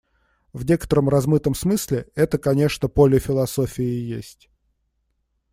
В некотором размытом смысле это, конечно, поле философии и есть.